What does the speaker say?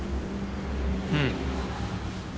うん。